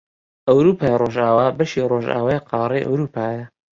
ئەوروپای ڕۆژئاوا بەشی ڕۆژئاوای قاڕەی ئەوروپایە